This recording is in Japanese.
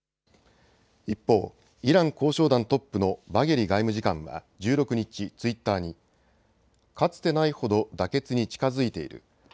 一方、イラン交渉団トップのバゲリ外務次官は１６日、ツイッターにかつてないほど妥結に近づいている。